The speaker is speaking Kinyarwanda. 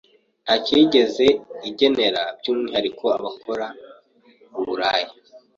ntacyo yigeze igenera by’umwihariko abakora ’uburaya